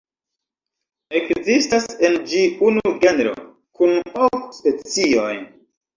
Ekzistas en ĝi unu genro kun ok specioj.